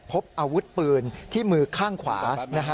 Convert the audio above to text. พบอาวุธปืนที่มือข้างขวา